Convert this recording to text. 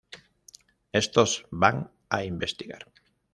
Estos van a investigar.